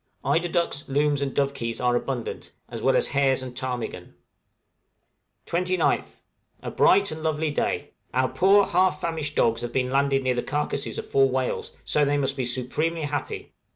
Eider ducks, looms, and dovekies are abundant, as well as hares and ptarmigan. 29th. A bright and lovely day. Our poor, half famished dogs have been landed near the carcases of four whales, so they must be supremely happy.